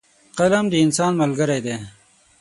قلم د انسان ملګری دی.